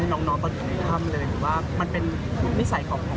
เพียงน้องคนในค่ำเลยว่ามันเป็นมิสัยของ